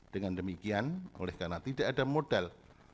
dengan demikian oleh karena tidak ada modal